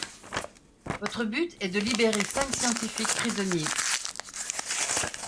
Votre but est de libérer cinq scientifiques prisonniers.